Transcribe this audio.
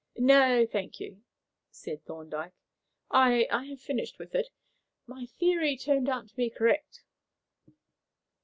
"No, thank you," said Thorndyke. "I have finished with it. My theory turned out to be correct."